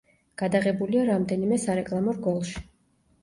გადაღებულია რამდენიმე სარეკლამო რგოლში.